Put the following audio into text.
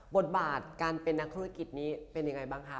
บทบาทการเป็นนักธุรกิจนี้เป็นยังไงบ้างคะ